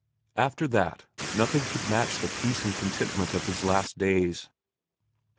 After that, nothing could match the peace and contentment of his last days.